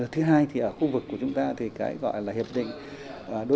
thứ hai thì ở khu vực của chúng ta thì cái gọi là hiệp định